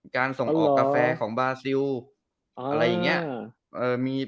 การส่งออกกาแฟของบาซิลอะไรอย่างนี้